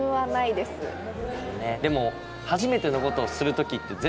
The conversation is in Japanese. でも。